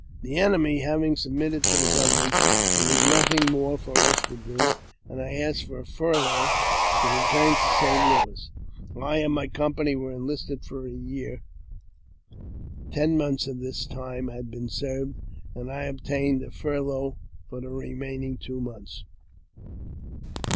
« The enemy having submitted to the government, there was I nothing more for us to do, and I asked for a furlough to return '^l to St. Louis. I and my company were enlisted for a year; ten months of this time had been served, and I obtained a furlough for the remaining two months.